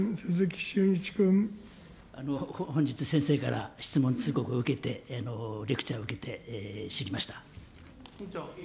本日、先生から質問通告を受けて、レクチャーを受けて知りました。